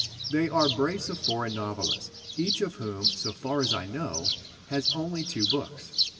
They are a brace of foreign novelists, each of whom, so far as I know, has only two books.